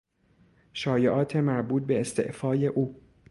شایعات مربوط به استعفای او